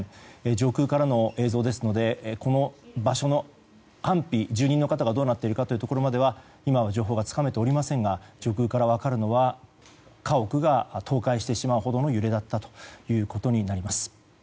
上空からの映像ですのでこの場所の安否住人の方がどうなっているのかというところまでは今は情報がつかめておりませんが上空から分かるのは家屋が倒壊してしまうほどの揺れだったということになります。